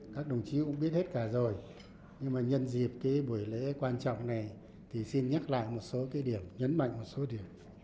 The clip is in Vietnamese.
các đồng chí cũng biết hết cả rồi